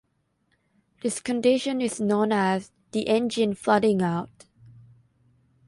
This condition is known as the engine flooding out.